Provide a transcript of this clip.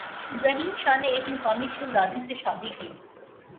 ابراہیم شاہ نے ایک مقامی شہزادی سے شادی کی